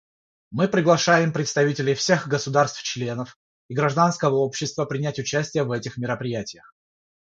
Мы приглашаем представителей всех государств-членов и гражданского общества принять участие в этих мероприятиях.